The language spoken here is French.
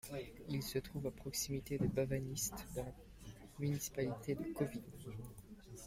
Il se trouve à proximité de Bavanište, dans la municipalité de Kovin.